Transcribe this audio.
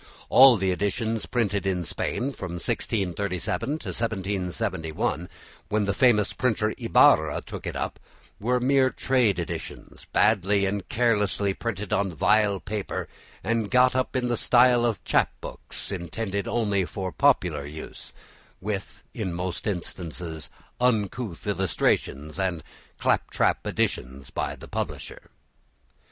All the editions printed in Spain from 1637 to 1771, when the famous printer Ibarra took it up, were mere trade editions, badly and carelessly printed on vile paper and got up in the style of chap books intended only for popular use, with, in most instances, uncouth illustrations and clap trap additions by the publisher.